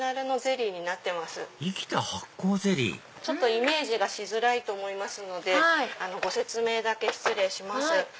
イメージがしづらいと思いますのでご説明だけ失礼します。